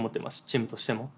チームとしても。